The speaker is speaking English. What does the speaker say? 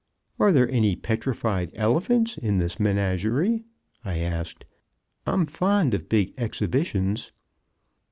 "Are there any petrified elephants in this menagerie?" I asked. "I'm fond of big exhibitions."